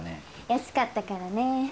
安かったからね。